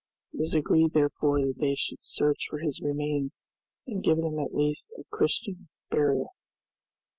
It was agreed, therefore, that they should search for his remains, and give them at least Christian burial.